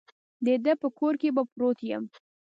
د ده په کور کې به پروت یم.